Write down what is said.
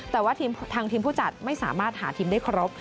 แต่ว่าทางทีมผู้จัดไม่สามารถหาทีมได้ครบ